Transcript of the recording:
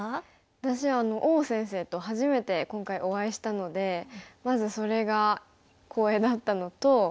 私王先生と初めて今回お会いしたのでまずそれが光栄だったのと。